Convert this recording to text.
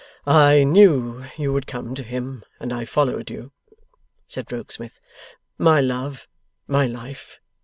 'I knew you would come to him, and I followed you,' said Rokesmith. 'My love, my life!